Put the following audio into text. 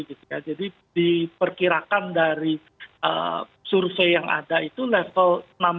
jadi diperkirakan dari survei yang ada itu level enam dua puluh lima enam lima